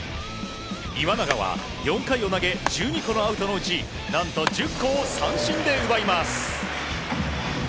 今永は４回を投げ１２個のアウトのうち何と１０個を三振で奪います。